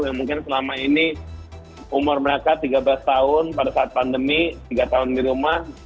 yang mungkin selama ini umur mereka tiga belas tahun pada saat pandemi tiga tahun di rumah